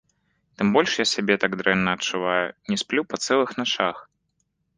Тым больш я сябе так дрэнна адчуваю, не сплю па цэлых начах.